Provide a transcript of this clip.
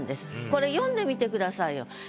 これ読んでみてくださいよ。